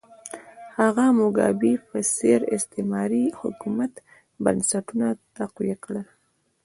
هغه د موګابي په څېر د استعماري حکومت بنسټونه تقویه کړل.